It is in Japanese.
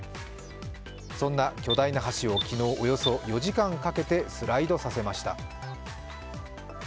そんな巨大な橋を昨日、およそ４時間かけてスライドさせました。